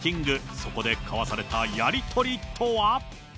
そこで交わされたやり取りとは。